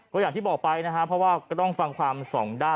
ก็อย่างที่บอกไปเพราะว่าก้ต้องฟังความ๒ด้าน